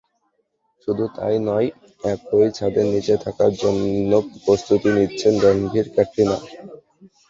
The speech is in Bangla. শুধু তা-ই নয়, একই ছাদের নিচে থাকার জন্য প্রস্তুতি নিচ্ছেন রণবীর-ক্যাটরিনা।